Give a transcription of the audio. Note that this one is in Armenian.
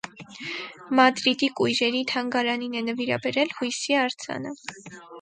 Մադրիդի կույրերի թանգարանին է նվիրաբերել «հույսի» արձանը։